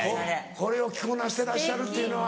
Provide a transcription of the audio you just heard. これを着こなしてらっしゃるっていうのは。